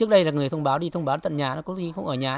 đi thông báo đến nhà có khi không ở nhà